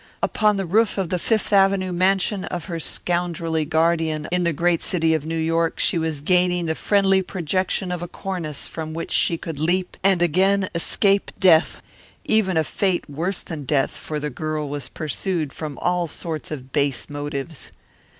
Upon the roof of the Fifth Avenue mansion of her scoundrelly guardian in the great city of New York she was gaining the friendly projection of a cornice from which she could leap and again escape death even a fate worse than death, for the girl was pursued from all sorts of base motives.